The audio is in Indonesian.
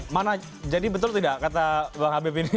mana jadi betul tidak kata bang habib ini